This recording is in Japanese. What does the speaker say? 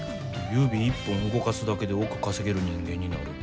指一本動かすだけで億稼げる人間になる。